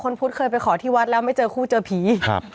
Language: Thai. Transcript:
แล้วเคยไปขอที่วัดแล้วไม่เจอคู่เจอผี